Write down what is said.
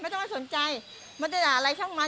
ไม่ต้องจะสนใจมันจะละอะไรข้างอน